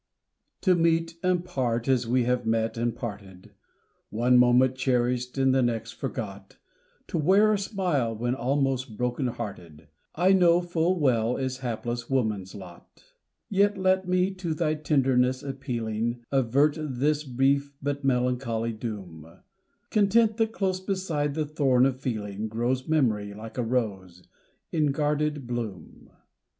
To meet, and part, as we have met and parted, One moment cherished and the next forgot, To wear a smile when almost broken hearted, I know full well is hapless woman's lot; Yet let me, to thy tenderness appealing, Avert this brief but melancholy doom Content that close beside the thorn of feeling, Grows memory, like a rose, in guarded bloom.